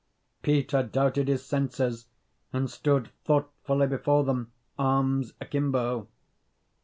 Peter doubted his senses, and stood thoughtfully before them, arms akimbo.